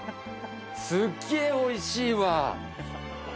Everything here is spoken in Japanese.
すげぇおいしいわ！